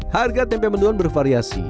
harga tempe mendoan bervariasi